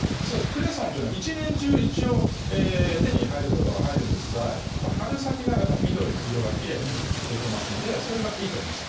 クレソンっていうのは一年中一応手に入ることは入るんですが春先が緑の色がきれいに出てますのでそれがいいと思います